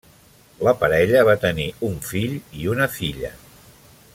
La parella va tenir un fill i una filla.